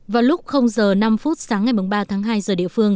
vào lúc giờ năm phút sáng ngày ba tháng hai giờ địa phương